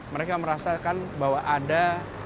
mereka merasakan bahwa ada